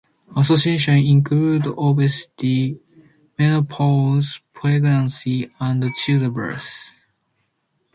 Associations include obesity, menopause, pregnancy and childbirth.